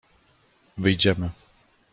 — Wyjdziemy.